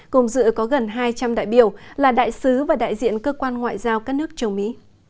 cùng dự có gần hai trăm linh đại biểu là đại sứ và đại diện cơ quan ngoại giao các nước châu mỹ